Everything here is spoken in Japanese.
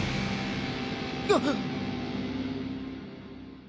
あっ！